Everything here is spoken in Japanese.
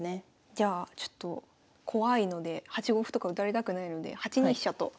じゃあちょっと怖いので８五歩とか打たれたくないので８二飛車と。